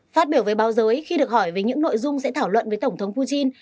phát biểu với báo giới khi được hỏi về những nội dung sẽ thảo luận với tổng thống putin